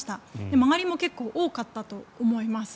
周りも結構多かったと思います。